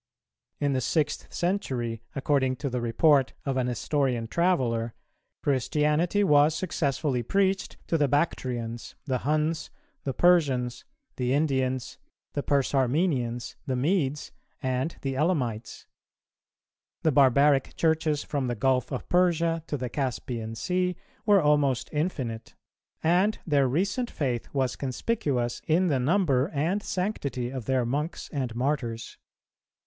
In the sixth century, according to the report of a Nestorian traveller, Christianity was successfully preached to the Bactrians, the Huns, the Persians, the Indians, the Persarmenians, the Medes, and the Elamites: the Barbaric Churches from the gulf of Persia to the Caspian Sea were almost infinite; and their recent faith was conspicuous in the number and sanctity of their monks and martyrs.